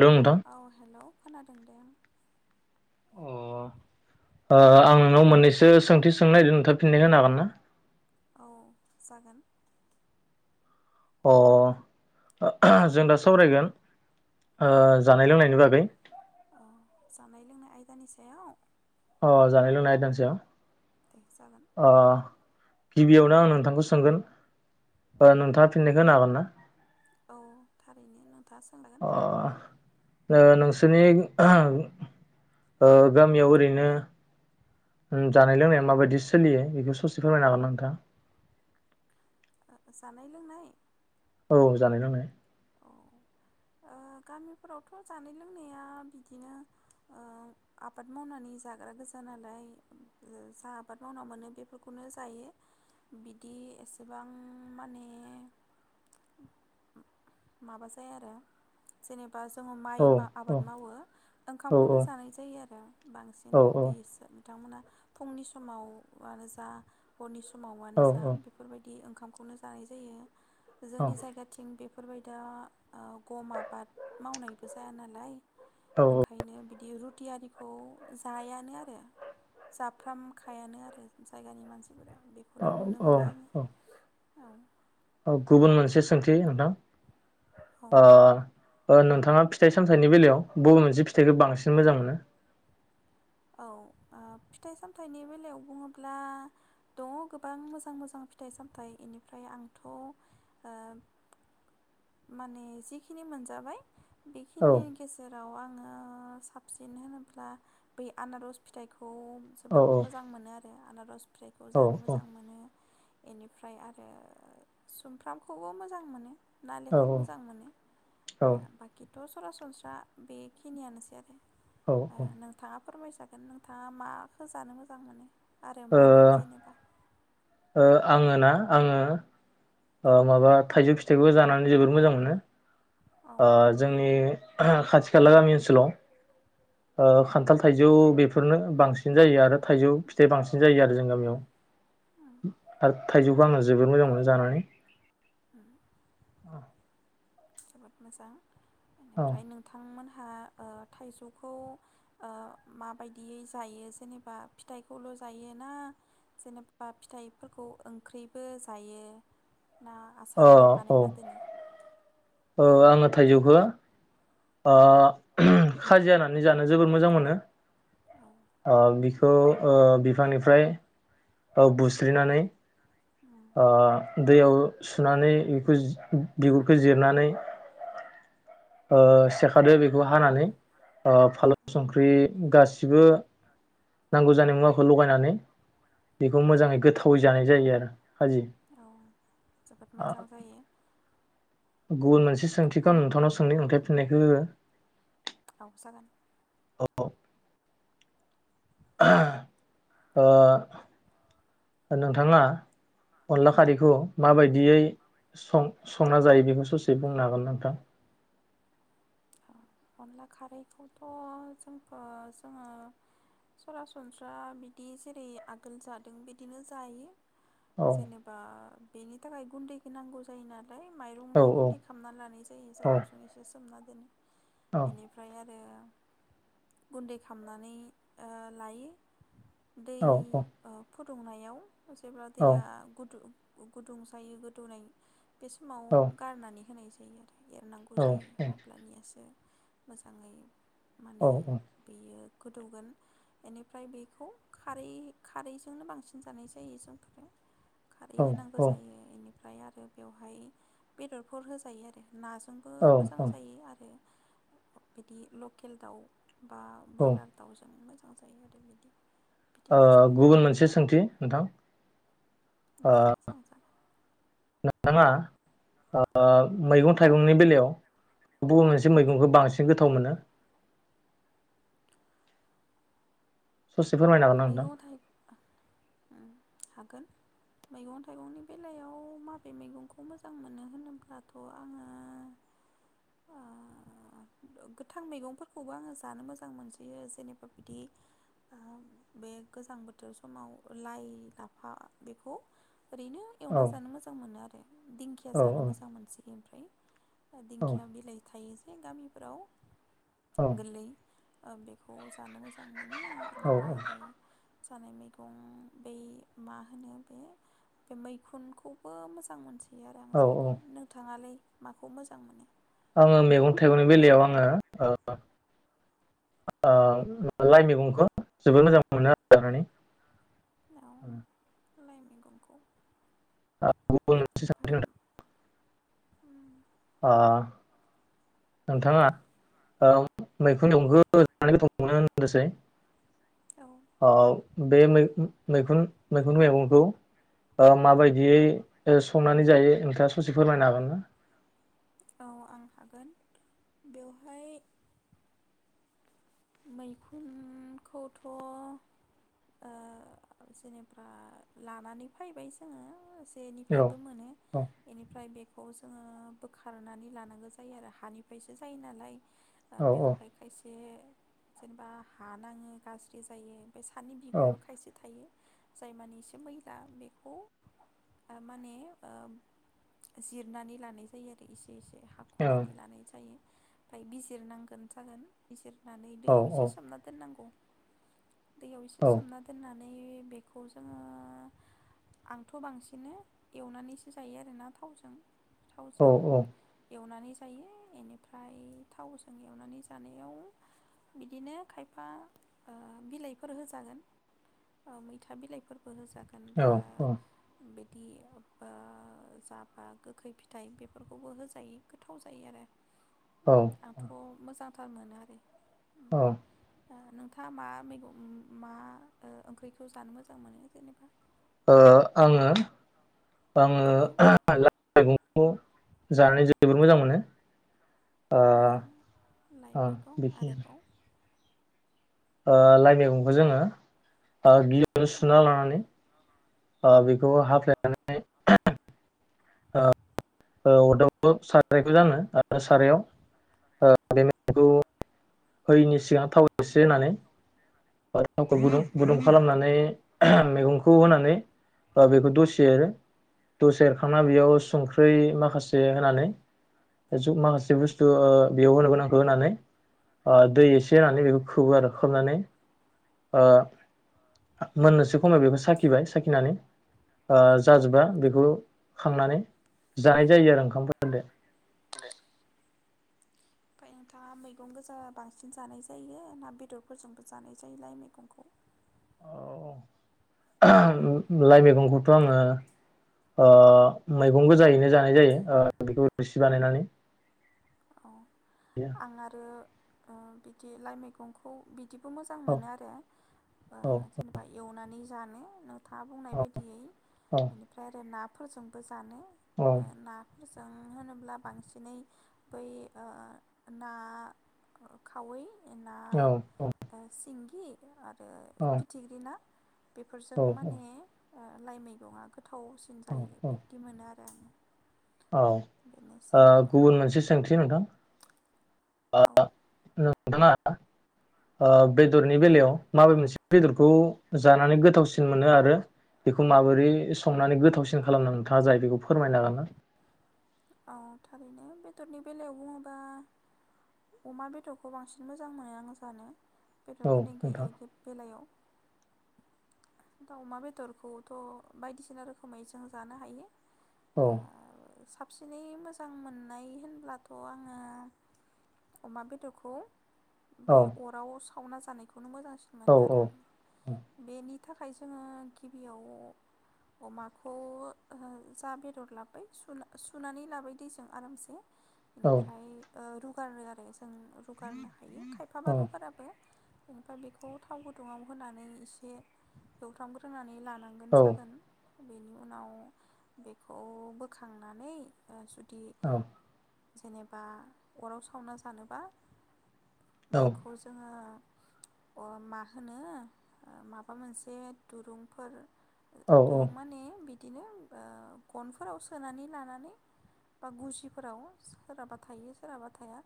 Hello नोंथां औ hello खोनादों दे आं अ ओ आं औ नोंनाव मोननैसो सोंथि सोंनो नागिरदों नोंथांङा फिननाय होनो हागोन ना औ जागोन अ जों दा सावरायगोन जानाय ओ लोंनायनि बागै [inaudible] औ जानाय लोंनाय आयदानि सायाव अ जानाय - लोंनाय आयदानि दे जागोन सायाव अ गिबियावनो आं नोंथांखौ सोंगोन नोंथांङा फिननायखौ होनो हागोन ना औ थारैनो नोंथां सो ओ नोंसोरनि गामियाव ओरैनो जानाय - लोंनाया माबायदि सोलियो बेखौ ससे फोरमायनो हागोन नोंथां जानाय - लोंनाय औ जानाय - लोंनाय औ ओ गामिफोरावथ' जानाय - लोंनाया बिदिनो आबाद मावनानै जाग्रा गोजा नालाय जा आबाद मावना मोनो बेफोरखौनो जायो बिदि एसेबां माने माबा जाया आरो जेनेबा बा जोङो माइ औ औ आबाद मावो औ ओंखामखौनो जानाय जायो आरो बांसिन औ बेसो बिथांमोना फुंनि समाव आरो जा हरनि स मावानो औ जा बेफोरबायदि ओंखामखौनो जानाय जायो जोंनि जायगाथिं बे बेफोरबायदा गम आबाद मावनायबो जाया नालाय ओंखायनो बिदि रुटि आरारिखौ जायानो आरो जाफ्रामखायानो आरो जायगानि मानसि औ औ औ औ औ गुबुन मोनसे सोंथि नोंथां औ अ नोंथाङा फिथाइ सामथाइनि बेलायाव बबे मोनसे फिथाइखौ बांसिन मोजां मोनो? औ फिथाइ सामथाइनि बेलायाव बुङोब्ला दङ गोबां मोजां मोजां फिथाइ सामथाइ इनिफ्राय आंथ ओ माने जिखिनि मोनजाबाय औ बेखिनि गेजेराव आं आङो साबसिन होनोब्ला बै आनारस फिथाइ खौ औ जोबोद मोजां मोनो आरो आनारस फिथाइखौ औ जानो औ मोजां मोनो बेनिफ्राय आरो सुमफ्रामखौबो मोजां मोनो औ नालेंखर मोजां मोनो ओ बाकि थ सरासनस्रा बेखिनियानोसै आरो औ ओ नोंथाङा फोरमायजागोन नोंथाङा माखौ जानो मोजां मोनो? आरो ओ मानो जेनेबा ओ आङो ना आङो ओ माबा थाइजौ फिथाइखौ जानानै जोबोद मोजां मोनो औ ओ जोंनि खाथि खाला गामि ओनसोलाव खानथाल थाइजौ बेफोरनो बांसिन जायो आरो थाइजौ फिथाइ बांसिन जायो आरो जोंनि गामियाव उम आरो थाइजौखौ आङो जोबद मोजां मोनो जानानै उम अ जोबोद मोजां औ बेनिफ्राय नोंथांमोन हा ओ थाइजौखौ माबायदियै जायो जेनेबा फिथाइखौल जायोना जेनेबा फिथाइफोरखौ ओंख्रिबो जायो ना अ आसार आरि बानायना दोनो? औ आङो थाइजौखो आ खाजि हानानानै जानो जोबोर मोजां मोनो औ आ बिखौ ओ बिफांनिफ्राय औ बुस्रिनानै उम अ दैयाव सुनानै बेखौ बिगुरखौ जिरनानै ओ सेखादो बेखौ हानानै ओ फानलौ संख्रि गासिबो नांगौ जानाय मुवाखौ लगायनानै बेखौ मोजाङै गोथावै जानाय जायो आरो खाजि औ जोबोद मोजां जायो गुबुन मोनसे सोंथिखौ आं नोंथांनाव सोंनि औ ओमफ्राय फिननायखौ हो औ जागोन औ ओ नोंथाङा अनला खारैखौ माबायदियै सं संना जायो बेखौ ससे बुंनो हागोनना नोंथां? औ अनला खारैखौथ' जोंथ' जोङो सरासनस्रा बिदि जेरै आगोल जादों बिदिनो जायो औ जेनेबा बेनि थाखाय गुन्दैखौ नांगौ जायोना लाय औ माइरंनि औ गुन्दै खालामना लानाय जायो औ जायखौ जों एसे सोमना दोनो बेनिफ्राय आरो गुन्दै खालामनानै ओ लायो दै औ औ ओ फुदुंनायाव जेब्ला औ दैया गुदु गुदुं जायो गोदौनाय बे समाव औ गारनानै होनाय जायो औ एरनांगौ जायो अब्लानियासो मोजाङै औ माने औ बेयो गोदौगोन बेनिफ्राय बेखौ खारै खारैजोंनो बांसिन जानाय जायो जों फोर खारै होनांगौ औ जायो बेनिफ्राय ओमफ्राय आरो बेवहाय बेदरफोर होजायो आरो नाजोंबो औ मोजां औ जायो आरो बिदि लकेल दाउ बा ओ ब्रयलार दाउजों मोजां जायो आरो बिदि ओ बिदिनो जायो गुबुन मोनसे सोंथि नोंथां ओ दे सोंजागोन नोंथाङा ओ मैगं थाइगंनि बेलायाव बबे मोनसे मैगंखौ उम बांसिन गोथाव मोनो? ससे फोरमायनो हागोन ना नोंथां? मैगं थाइ उम हागोन मैगं थाइगंनि बेलायाव माबे मैगंखौ मोजां मोनो होनोब्लाथ' आङो गोथां मैगंफोरखौबो आङो जानो मोजां मोनसोयो जेनेबा बिदि बे गोजां बोथोर समाव लाइ लाफा बेखौ ओरैनो औ एवना जानो मोजां मोनो आरो दिंखिया औ जानो औ मोजां मोनसै ओमफ्राय औ दिंखिया बिलाइ थायो गामिफोराव औ गोरलै बेखौ जानो मोजां मोनो बेनिफ्राय आरो जानाय मैगं बै मा होनो बे बे मैखुनखौबो मोजां मोनसोयो [unintelligible] औ औ मोनो नोंथाङालाय माखौ मोजां मोनो? आङो मैगं थाइगंनि बेलायाव आङो लाइ मैगंखौ जोबोद मोजां मोनो आरो माने ओं औ लाइ मैगंखौ गुबुन मफ मोनसे सोंथि [unintelligible] [inaudible] अ नोंथाङा मैखुन [unintelligible] जानानै गोथाव मोनो होनदोंसै औ औ बे मैखुन मैखुन मैगंखौ माबायदियै संनानै जायो नोंथाङा ससे फोरमायनो हागोन ना? औ आं हागोन बेवहाय मैखुनखौथ' जेनेबा लानानै फैबाय जोङो औ एनिफ्रायबो मोनो औ बेनिफ्राय बेखौ खौ जोङो बोखारनानै लानांगौ जायो आरो हानिफ्रायसो जायो नालाय औ बेवहाय खायसे जेनेबा हानाङो गाज्रि जायो ओमफ्राय सानि औ बिगुराव खायसे थायो जाय माने एसे मैला बेखौ माने जिरनानै लानाय जायो आरो एसे एसे औ हाख'नानै लानाय जायो ओमफ्राय बिजिरनांगोन जागोन बिजिरनानै औ दैैयाव एसे सोमना दोननांगौ दैयाव एसे औ सोमना दोननानै नेै बेखौ जोङो आंथ' बांसिन एवनानैसो जायो आरोना थावजों थावजों एवनानै जायो यिनिफ्राय थावजों एवनानै जानायाव बिदिनो खायफा बिलाइफोर होजागोन मैथा बिलाइफोर फोर होजागोन बा बिदि जाबा गोखै फिथाइ बेफोरखौबो होजायो गोथाव जायो आरो औ आंथ' मोजां थार मोनो आरो औ नोंथाङा मा मैगं मा ओंख्रिखौ जानो मोजां मोनो जेनेबा आङो आङो औ लाइ मैगंखौ जानानै [unintelligible] जोबोद मोजां मोनो औ लाइ आं मैगं बेखिनिआनो आरोबाव लाइ मैगंखौ जोङो गियावनो सुना लानानै बेखौ हाफ्लेयनानै अरदाब सारायखौ जानो आरो सारायाव बे मैगंखौ हैयैनि सिगां थाव एसे होनानै थावखौ गुदुं गुदुं खालामनानै मैगंखौ होनानै बा बेखौ दसे एर दसे एरखांना बेयाव संख्रै माखासे होनानै माखासे बुस्थु बेयाव होनोगोनांखौ होनानै दै एसे होनानै बेखौ खोबो आरो खोबनानै मोननोसो खमाव बेखौ साखिबाय साखिनानै जाजोबा बेखौ खांनानै जानाय जायो आरो ओंखामफोरदो [unintelligible] ओमफ्राय नोंथाङा मैगं गोजा बांसिन जानाय जायो ना बेदरफोरजोंबो जानाय जायोलाय मैगंखौ लाइ मैगंखौथ' आङो ओ मैगं गोजायैनो जानाय जायो ओ बेखौ रोसि बानायनानै औ आं आरो बिदि लाइ मैगंखौ बिदिबो मोजां औ मोनो आरो जेनेबा एवनानै जा जानो थांआ बुंनाय बायदियै बेनिफ्राय आरो ना फोरजोंबो जा जानो ना फोरजों होनोब्ला बांसिनै बै ना खावै ना औ-औ [unintelligible] आरो फिथिग्रि ना बेफोरजों औ माने लाइ मैगंआ गो गोथावसिन औ जायो बेबदि मोनो आरो आङो औ औ गुबुन मोनसे सोंथि नोंथां आ औ नों नोंथाङा बेदरनि बेलायाव माबे मोनसे बेदरखौ जानानै गोथावसिन मोनो आरो बेखौ माबोरै संनानै गोथावसिन खालामनो नोंथाङा जायो बेखौ फोरमायनो हागोनना? अ थारैनो बेदरनि बेलायाव बुङोबा अमा बेदरखौ बांसिन मोजां मोनो आं जानो औ बेदरफोरनि नोंथां [unintelligible] बेलायाव दाउमा बेदरखौथ' बायदिसिना रोखोमै जों जानो हायो। ओ औ साबसिनै मोजां मोननाय होनब्लाथ' आङो अमा बेदरखौ औ बे अराव सावना जानायखौ खौनो मोजांसिन औ मोनो आरो आं बेनि थाखाय जोङो गिबियाव अमाखौ [unintelligible] बेदर लाबबाय सुना सुनानै लाबाय दै जों आरामसे औ बेनिफ्राय ओ रू गारो आरो ए जों रुगारनो हायो खायफाबा औ रुगाराबो ओमफाय बेखौ थाव गुदुङाव होनानै इसे एवफ्रामग्रोनानै ला नांगोन सागोन बेनि उनाव बेखौ बोखां नानै ओ सु दि औ जेनेबा अराव सावना जानोबा औ बेखौ जोङो अ मा होनो माबा मोनसे दुरुंफोर औ दुरुंमाने बि बिदिनो ओ गनफोराव सोनानै लानानै बा गुजिफोराव सोराबा थायो सोराबा थाया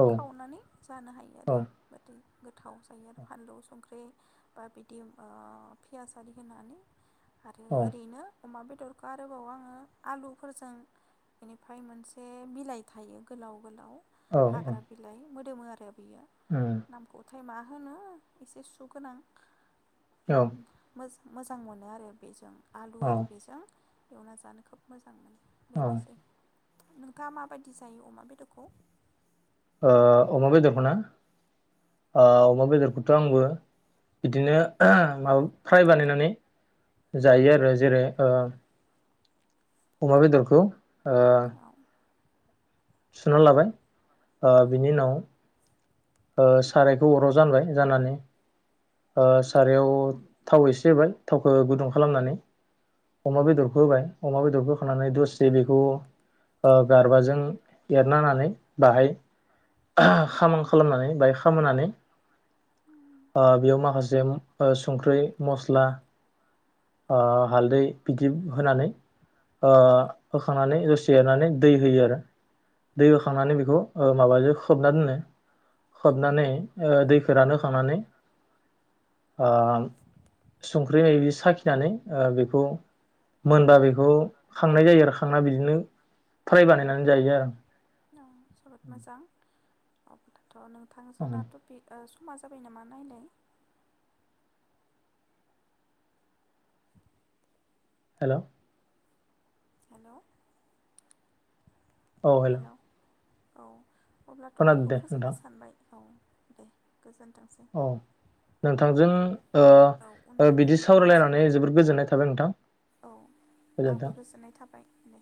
औ उम खावनानै जानो हायो औ आरो बादै गोथाव जायो आरो फानलु संख्रि बा बिदि ओ पियास आरि होनानै आरो ओरैनो अमा बेदरखौ आरोबाव आङो आलु फोरजों बेनिफाय मोनसे बिलाइ थायो गोलाव गोलाव हग्रााबिलाय मोदोमो आरो बियो नामखौ फाय मा होनो इसे सुगोनां ओम मोजां मोजां मोनो आरो बेजों आलु औ आरो बेिजों एवना जानो खोब मोजां मोनो औ ओ बेनोसै नोंथाङा माबायदि जायो अमा बेदरखौ ओ अमा बेदरखौ ना ओ अमा बेदरखौथ' आंबो बिदिनो माबा फ्राय बानायनानै जायो आरो जेरै ओ अमा बेदरखौ ओ औ सुुनानै लाबाय ओ बिनि उनाव सारायखौ अराव जानबाय जाननानै सारायाव थाव एसे होबाय थावखौ गुदुं खालामनानै अमा बेदरखौ होबाय अमा बेदरखौ होखांनानै दसे बेखौ गारबाजों एरनानानै बाहाय खाम खालामनानै बाहाय खामहोनानै बेयाव माखासे संख्रि मस्ला ओ हालदै बिदि होनानै ओ होखांनानै दसे एरनानै दै होयो आरो दै होखांनानै बेखौ माबाजों खोबना दोनो खोबनानै दैखौ रानहोखांनानै ओ संख्रि साखि फिनानै बेखौ मोनबा बेखौ खांनाय जायो आरो खांना बिदिनो फ्राय बानायनानै जायो आरो आं जोबोद मोजां दं नोंथां जोंना आं तपिगा समा जाबाय नामा नायलाय हेलौ हेलौ औ हेल' अब्लाथ' खोनादों तपिगखौ दे फोजोबनो नोंथां सानबाय औ दे गोजोनथोंसै औ नोंथांजों औ उननि ओ आयदायाव बिदि लोगो सावरायलायनानै मोनसिनगोन जोबोद गोजोननाय थाबाय नोंथां औ आंबो गोजोनथों गोजोननाय थाबाय दे